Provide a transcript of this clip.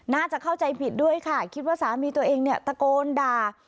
น่าจะเข้าใจผิดด้วยค่ะคิดว่าสามีตัวเองเนี่ยตะโกนด่า